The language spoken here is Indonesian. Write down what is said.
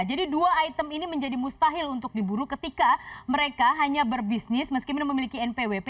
jadi dua item ini menjadi mustahil untuk diburu ketika mereka hanya berbisnis meskipun memiliki npwp